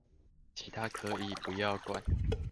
其他可以不要管